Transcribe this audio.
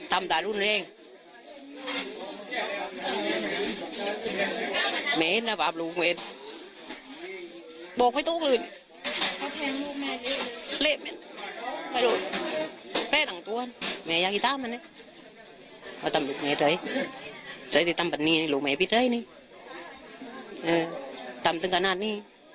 อาจตามทำขนาดนี้ต้องทำไม่พอใช้แต่ต้องหลวงไปขนาดนี้